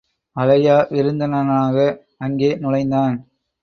அழையா விருந்தினனாக அங்கே நுழைந்தான்.